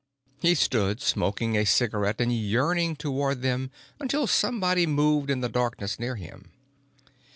He stood smoking a cigarette and yearning toward them until somebody moved in the darkness near him.